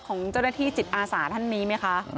ของเจ้าหน้าที่จิตอาสาท่านนี้ไหมคะ